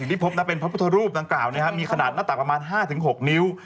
ที่พบนะเป็นพระพุทธรูปดังกล่าวมีขนาดหน้าตักประมาณ๕๖นิ้ว